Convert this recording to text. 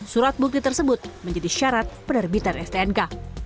surat bukti tersebut menjadi syarat penerbitan stnk